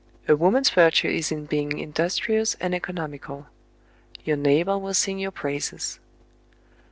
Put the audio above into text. " A woman's virtue is in being industrious and economi cal. ^ "Your neighbor will sing your praises."